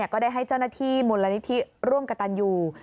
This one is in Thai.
ก็ได้ให้เจ้าหน้าที่มูลนิธิร่วมกับตันยู